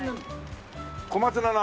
小松菜が。